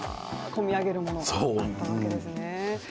こみ上げるものがあったわけですね。